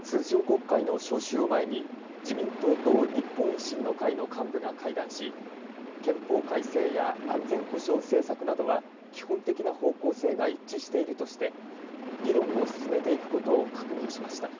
通常国会の召集を前に自民党と日本維新の会の幹部が会談し憲法改正や安全保障政策などは基本的な方向性が一致しているとして議論を進めていくことを確認しました。